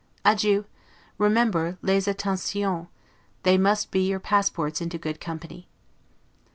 Adieu. Remember les attentions: they must be your passports into good company.